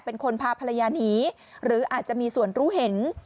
เป็นคนพาภรรยาหนีหรืออาจจะมีส่วนรู้เห็น